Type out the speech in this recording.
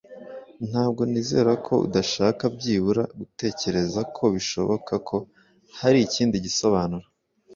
Ntabwo nizera ko udashaka byibura gutekereza ku bishoboka ko hari ikindi gisobanuro.